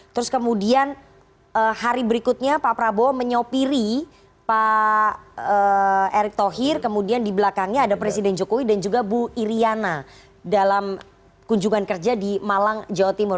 terus kemudian hari berikutnya pak prabowo menyopiri pak erick thohir kemudian di belakangnya ada presiden jokowi dan juga bu iryana dalam kunjungan kerja di malang jawa timur